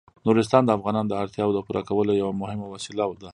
نورستان د افغانانو د اړتیاوو د پوره کولو یوه مهمه وسیله ده.